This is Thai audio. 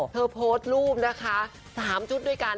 เธอโพสต์รูปนะคะ๓ชุดด้วยกัน